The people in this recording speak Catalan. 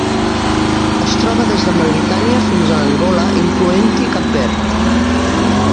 Es troba des de Mauritània fins a Angola, incloent-hi Cap Verd.